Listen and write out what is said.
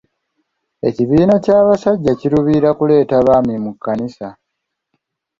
Ekibiina ky'abasajja kiruubirira kuleeta baami mu kkanisa.